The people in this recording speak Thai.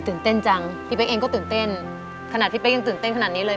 เต้นจังพี่เป๊กเองก็ตื่นเต้นขนาดพี่เป๊กยังตื่นเต้นขนาดนี้เลย